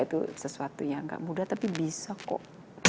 itu sesuatu yang gak mudah tapi bisa kok